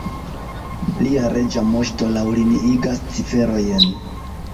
Lia Reĝa Moŝto laŭliniigas ciferojn.